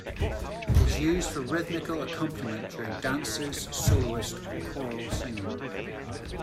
It is used for rhythmical accompaniment during dances, soloist or choral singing.